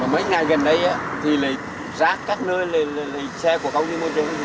mấy ngày gần đây thì rác các nơi xe của công ty môi trường